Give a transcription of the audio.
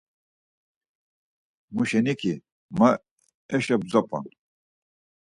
Muşeniki ma eşo bzop̌on.